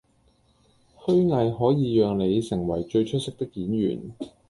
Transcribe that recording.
虛偽可以讓你成為最出色的演員